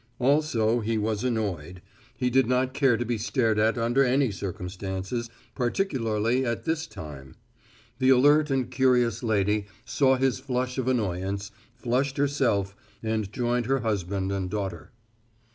Also he was annoyed. He did not care to be stared at under any circumstances, particularly at this time. The alert and curious lady saw his flush of annoyance, flushed herself, and joined her husband and daughter.